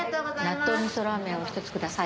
納豆みそラーメンを１つください。